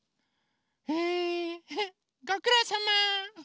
へえごくろうさま！